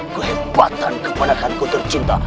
kehebatan keponakanku tercinta